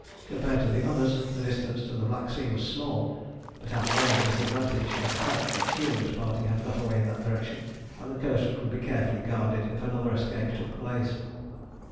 Compared to the others the distance to the Black Sea was small, but outweighing this advantage was the fact that Keeling's party had got away in that direction, and the coast would be carefully guarded if another escape took place.